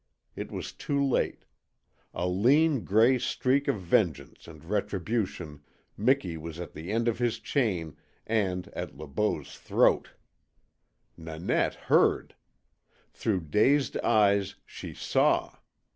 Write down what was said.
It was too late. A lean gray streak of vengeance and retribution, Miki was at the end of his chain and at Le Beau's throat. Nanette HEARD! Through dazed eyes she SAW!